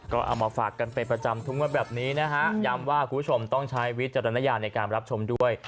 ก็เอามาฝากกันเป็นประจำทุกวันแบบนี้นะฮะย้ำว่าคุณผู้ชมต้องใช้วิจารณญาณในการรับชมด้วย